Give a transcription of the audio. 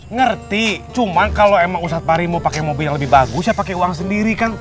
ngerti cuman kalau emang ustadz parimo pakai mobil yang lebih bagus ya pakai uang sendiri kan